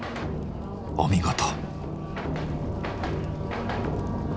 お見事！